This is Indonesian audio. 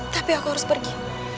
tapi aku harus pergi